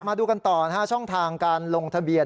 มาดูกันต่อนะฮะช่องทางการลงทะเบียน